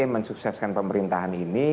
mensukseskan pemerintahan ini